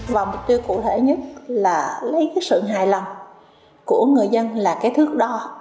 và mục tiêu cụ thể nhất là lấy cái sự hài lòng của người dân là cái thước đo